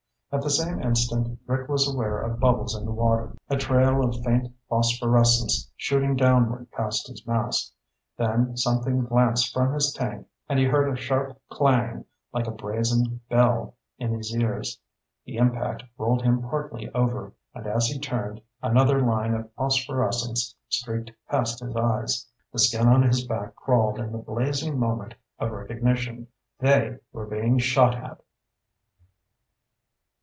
At the same instant, Rick was aware of bubbles in the water, a trail of faint phosphorescence shooting downward past his mask. Then something glanced from his tank and he heard a sharp clang like a brazen bell in his ears. The impact rolled him partly over, and as he turned, another line of phosphorescence streaked past his eyes. The skin on his back crawled in the blazing moment of recognition. They were being shot at!